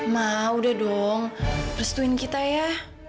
mah udah dong restuin kita ya